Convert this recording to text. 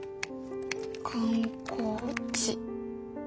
観光地。